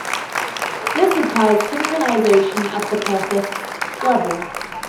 This requires synchronization at the process level.